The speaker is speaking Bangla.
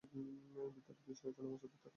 ভিতরে দুই সারিতে নামাজ আদায় হয়ে থাকে।